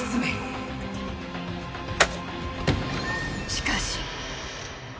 しかし。